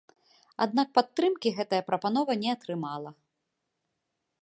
Аднак падтрымкі гэтая прапанова не атрымала.